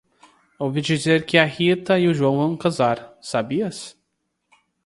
Ouvi dizer que a Rita e o João vão casar. Sabias?